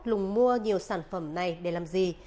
trung quốc lùng mua nhiều sản phẩm này để làm gì